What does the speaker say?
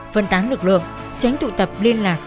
phân tán lực lượng tránh tụ tập liên lạc